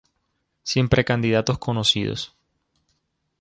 Sin precandidatos conocidos.